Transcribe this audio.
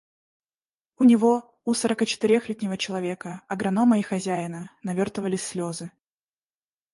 У него, у сорокачетырехлетнего человека, агронома и хозяина, навертывались слезы.